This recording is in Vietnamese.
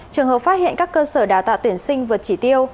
trường hợp phát hiện các cơ sở đào tạo tuyển sinh vượt chỉ tiêu